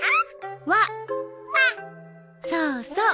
そうそう。